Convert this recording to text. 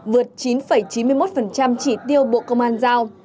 vượt chín chín mươi một chỉ tiêu bộ công an giao